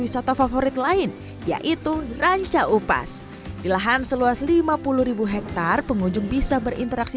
wisata favorit lain yaitu ranca upas di lahan seluas lima puluh hektare pengunjung bisa berinteraksi